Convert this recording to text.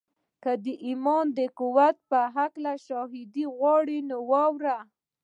که د ایمان د قوت په هکله شواهد غواړئ نو واورئ